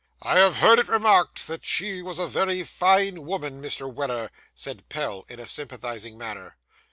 'I have heard it remarked that she was a very fine woman, Mr. Weller,' said Pell, in a sympathising manner.